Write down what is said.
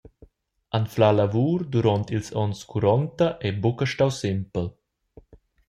Anflar lavur duront ils onns curonta ei buca stau sempel.